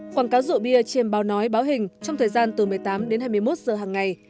quảng cáo rượu bia trên báo nói báo hình trong thời gian từ một mươi tám đến hai mươi một giờ hàng ngày